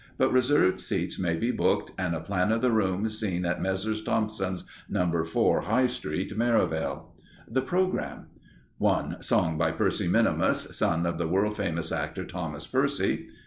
But reserved seats may be booked, and a plan of the room seen at Messrs. Tomson's, No. 4, High Street, Merivale. THE PROGRAMME 1. Song by Percy Minimus (son of the world famous actor, Thomas Percy).